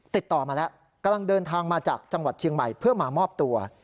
ติดต่อมาแล้วกำลังเดินทางมาจากจังหวัดเชียงใหม่เพื่อมามอบตัว